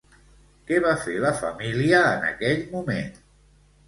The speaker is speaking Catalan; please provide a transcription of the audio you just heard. Què va fer la família en aquell moment?